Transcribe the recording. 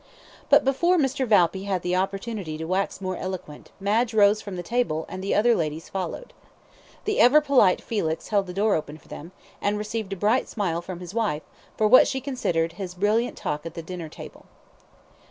But before Mr. Valpy had the opportunity to wax more eloquent, Madge rose from the table, and the other ladies followed. The ever polite Felix held the door open for them, and received a bright smile from his wife for, what she considered, his brilliant talk at the dinner table.